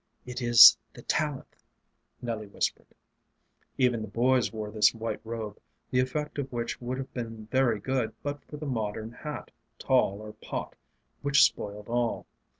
"It is the Talleth," Nelly whispered. Even the boys wore this white robe, the effect of which would have been very good but for the modern hat, tall or pot, which spoiled all.